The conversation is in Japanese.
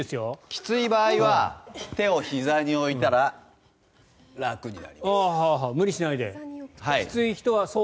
きつい場合は手をひざに置いたら無理しないで。